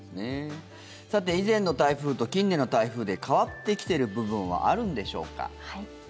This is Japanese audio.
さて以前の台風と近年の台風で変わってきている部分はあるんでしょうか。